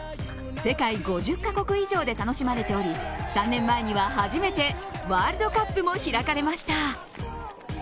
世界５０カ国以上で楽しまれており、３年前には初めてワールドカップも開かれました。